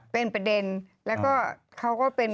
เป็นประเด็นแล้วก็เขาก็เป็น